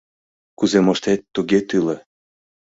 Кузе моштет, туге тӱлӧ!